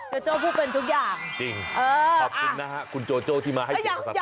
โจโจพูดเป็นทุกอย่างจริงขอบคุณนะครับคุณโจโจที่มาให้เสียงภาษาไทย